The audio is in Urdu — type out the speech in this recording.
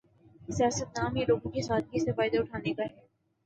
سیاست نام ہی لوگوں کی سادگی سے فائدہ اٹھانے کا ہے۔